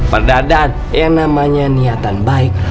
pak dadan yang namanya niatan baik